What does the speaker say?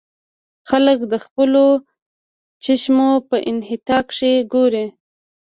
خلک د خپلو چشمو پۀ انتها کښې ګوري -